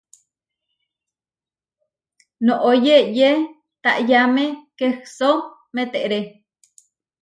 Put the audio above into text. Noʼó yeʼyé taʼyáme kehsó meteré.